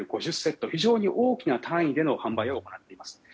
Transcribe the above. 非常に大きな単位での販売を行っています。